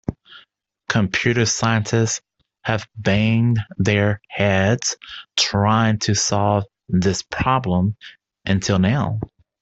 Computer scientists have banged their heads trying to solve this problem until now.